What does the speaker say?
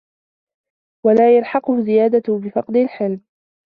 وَلَا يَلْحَقُهُ زِيَادَةٌ بِفَقْدِ الْحِلْمِ